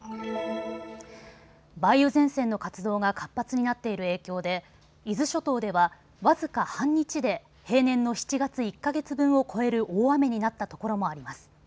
梅雨前線の活動が活発になっている影響で伊豆諸島では僅か半日で平年の７月１か月分を超える大雨になったところもあります。